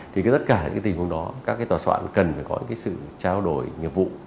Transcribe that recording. thì tất cả những tình huống đó các tòa soạn cần phải có sự trao đổi nghiệp vụ